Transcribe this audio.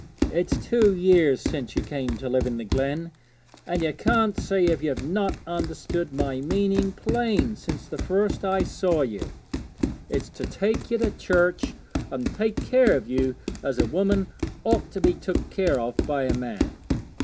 It's two years since you came to live in the glen, and you can't say as you've not understood my meaning plain since the first I saw you; it's to take you to church and take care of you as a woman ought to be took care of by a man.